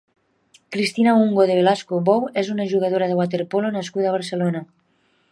Cristina Ungo de Velasco Bou és una jugadora de waterpolo nascuda a Barcelona.